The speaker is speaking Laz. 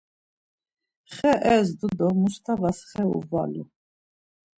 Xe ezdu do Mustavas xe uvalu.